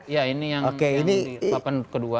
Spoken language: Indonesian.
ya ini yang di papan kedua